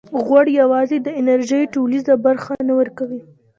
غوړ یوازې د انرژۍ ټولیزه برخه نه ورکوي.